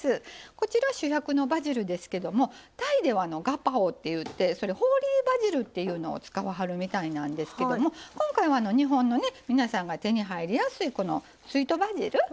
こちら主役のバジルですけどもタイではガパオっていってそれホーリーバジルというのを使わはるみたいなんですけども今回は日本の皆さんが手に入りやすいスイートバジル。